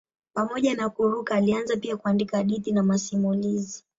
Pamoja na kuruka alianza pia kuandika hadithi na masimulizi.